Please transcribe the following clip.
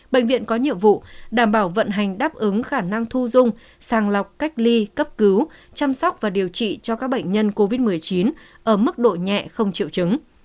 bệnh viện có nhiệm vụ đảm bảo vận hành đáp ứng khả năng thu dung sàng lọc cách ly cấp cứu chăm sóc và điều trị cho các bệnh nhân covid một mươi chín ở mức độ nhẹ không chịu chứng